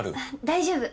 大丈夫。